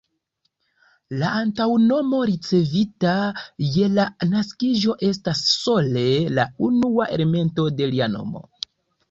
La antaŭnomo, ricevita je la naskiĝo, estas sole la unua elemento de lia nomo.